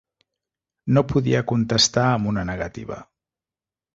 No podia contestar amb una negativa.